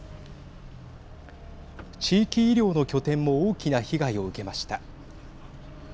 地域医療の拠点も大きな被害を受けました。